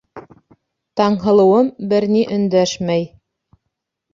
Таңһылыуым бер ни өндәшмәй.